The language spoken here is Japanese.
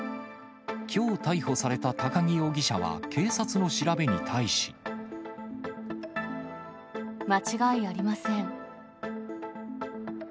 きょう逮捕された高木容疑者は、警察の調べに対し。間違いありません。